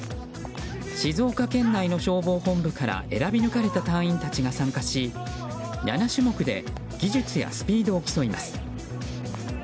静岡県内の消防本部から選び抜かれた隊員たちが参加し７種目で技術やスピードを競います。